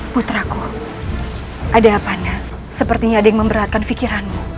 putraku ada apaan sepertinya ada yang memberatkan fikiranmu